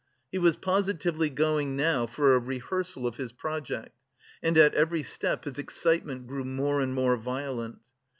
He was positively going now for a "rehearsal" of his project, and at every step his excitement grew more and more violent.